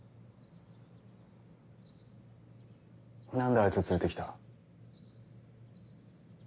なんであいつを連れてきた？